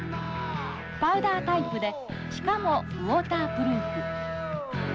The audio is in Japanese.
パウダータイプでしかもウォータープルーフ。